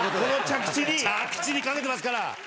着地にかけてますから。